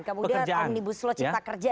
kemudian om nibuslo cipta kerjaan